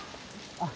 ・あっ